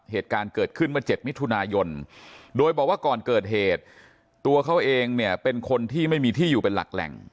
เหตุการณ์เกิดขึ้นเมื่อ๗มิถุนายนโดยบอกว่าก่อนเกิดเหตุตัวเขาเองเนี่ยเป็นคนที่ไม่มีที่อยู่เป็นหลักแหล่ง